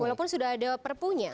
walaupun sudah ada perpunya